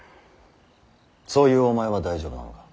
そういうお前は大丈夫なのか。